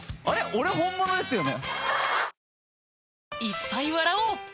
俺本物ですよね？